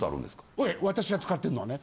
ええ私が使ってるのはね。